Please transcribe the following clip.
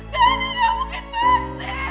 daniel gak mungkin mati